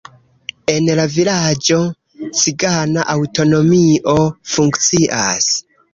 En la vilaĝo cigana aŭtonomio funkcias.